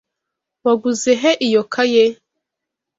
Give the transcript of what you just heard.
Waguze he iyo kaye?